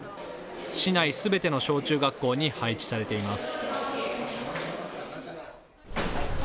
市内すべての小中学校に配置されています。